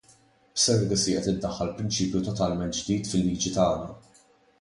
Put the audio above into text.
B'surrogacy qed iddaħħal prinċipju totalment ġdid fil-liġi tagħna.